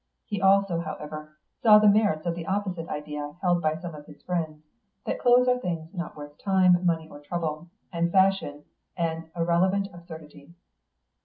He also, however, saw the merits of the opposite idea held by some of his friends, that clothes are things not worth time, money, or trouble, and fashion an irrelevant absurdity.